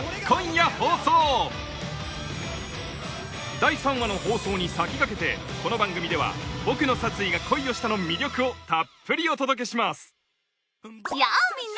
第３話の放送に先駆けてこの番組では『ボクの殺意が恋をした』の魅力をたっぷりお届けしますやぁみんな！